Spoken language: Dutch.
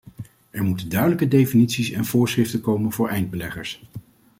Er moeten duidelijke definities en voorschriften komen voor eindbeleggers.